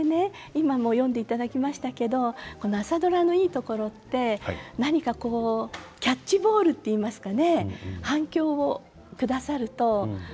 今も読んでいただきましたけどこの「朝ドラ」のいいところって何かこうキャッチボールっていいますかね反響をくださると。